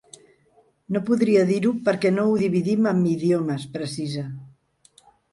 “No podria dir-ho, perquè no ho dividim amb idiomes”, precisa.